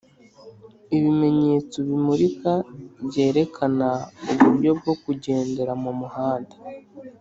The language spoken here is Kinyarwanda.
Ibimenyetso bimulika byerekana uburyo bwo kugendera mu muhanda